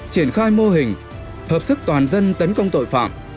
triển khai mô hình hợp sức toàn dân tấn công tội phạm